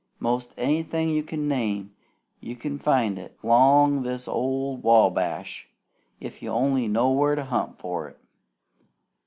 Most anything you can name, you can find it 'long this ole Wabash, if you only know where to hunt for it.